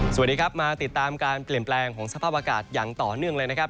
สวัสดีครับมาติดตามการเปลี่ยนแปลงของสภาพอากาศอย่างต่อเนื่องเลยนะครับ